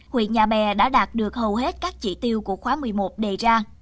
huyện nhà bè đã đạt được hầu hết các chỉ tiêu của khóa một mươi một đề ra